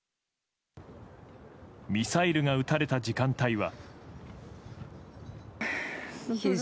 ミサイルが撃たれた時間帯は。